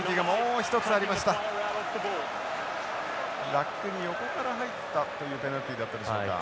ラックに横から入ったというペナルティだったでしょうか。